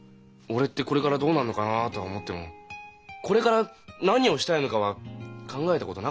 「俺ってこれからどうなんのかな」とは思っても「これから何をしたいのか」は考えたことなかったんだ。